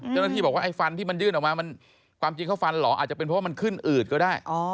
เจ้าหน้าที่บอกว่าไอ้ฟันที่มันยื่นออกมามันความจริงเขาฟันเหรออาจจะเป็นเพราะว่ามันขึ้นอืดก็ได้